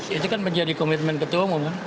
itu kan menjadi komitmen ketua umum kan